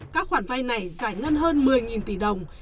các khoản vay này giải ngân hơn một mươi tỷ đồng